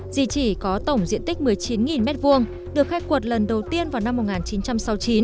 di chỉ có tổng diện tích một mươi chín m hai được khai quật lần đầu tiên vào năm một nghìn chín trăm sáu mươi chín